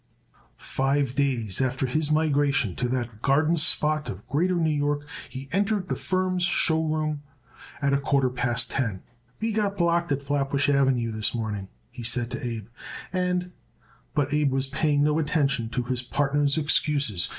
Five days after his migration to that garden spot of Greater New York he entered the firm's show room at a quarter past ten. "We got blocked at Flatbush Avenue this morning," he said to Abe, "and " But Abe was paying no attention to his partner's excuses.